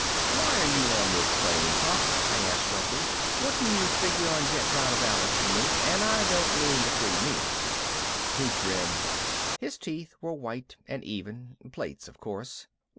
"Why are you on this plane, Pop?" I asked sharply. "What do you figure on getting out of Alice and me? and I don't mean the free meals." He grinned. His teeth were white and even plates, of course.